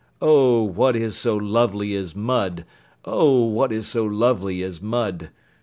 Oh what is so lovely as Mud! Oh what is so lovely as Mud!